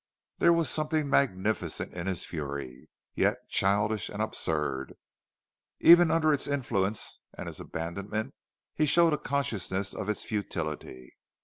There was something magnificent in his fury, yet childish and absurd. Even under its influence and his abandonment he showed a consciousness of its futility.